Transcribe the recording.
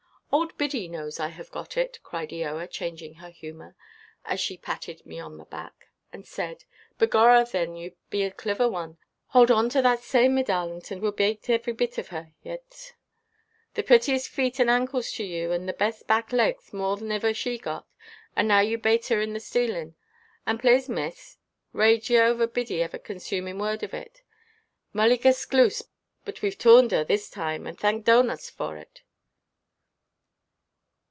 "Old Biddy knows I have got it," cried Eoa, changing her humour: "and she patted me on the back, and said, 'Begorra, thin, you be the cliver one; hould on to that same, me darlint, and weʼll bate every bit of her, yit; the purtiest feet and ancles to you, and the best back legs, more than iver she got, and now you bate her in the stalinʼ. And plase, Miss, rade yer ould Biddy every consuminʼ word on it. Mullygaslooce, but weʼve toorned her, this time, and thank Donats for it.